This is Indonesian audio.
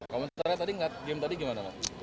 komentarnya tadi game gimana